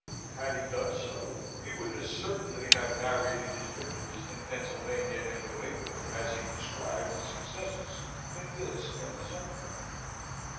Had he done so, he would as certainly have narrated his victories in Pennsylvania and New England, as he described his successes in this and his own country.